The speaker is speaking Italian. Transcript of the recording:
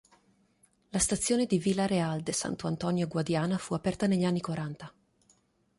La stazione di Vila Real de Santo António–Guadiana fu aperta negli anni quaranta.